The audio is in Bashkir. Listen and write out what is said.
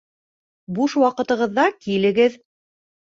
Буш ваҡытығыҙҙа килегеҙ